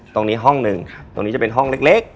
ตรงนี้จะเป็นห้องเล็ก